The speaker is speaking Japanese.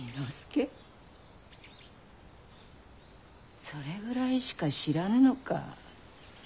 それぐらいしか知らぬのか？